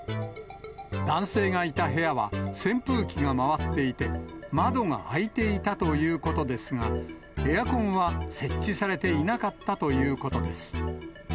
男性がいた部屋は、扇風機が回っていて、窓が開いていたということですが、エアコンは設置されていなかったということです。